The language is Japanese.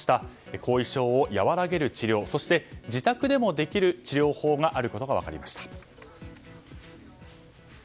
後遺症を和らげる治療そして、自宅でもできる治療法があることが分かりました。